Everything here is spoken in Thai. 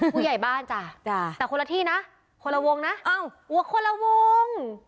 ผู้ใหญ่บ้านจ้ะแต่คนละที่นะคนละวงนะอ้าวหัวคนละวง